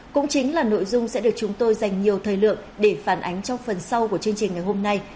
cũng chính là nội dung sẽ được chúng tôi dành nhiều thời lượng để phản ánh trong phần sau của chương trình ngày hôm nay